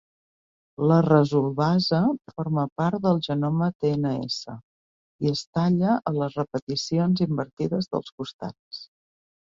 La resolvasa forma part del genoma tns i es talla a les repeticions invertides dels costats.